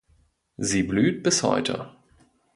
Sie blüht bis heute.